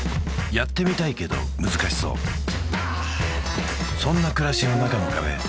やってみたいけど難しそうそんな暮らしの中の壁